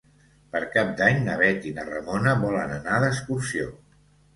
Per Cap d'Any na Bet i na Ramona volen anar d'excursió.